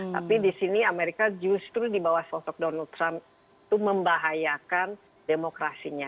tapi di sini amerika justru di bawah sosok donald trump itu membahayakan demokrasinya